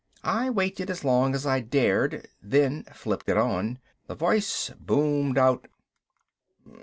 I waited as long as I dared, then flipped it on. The voice boomed out.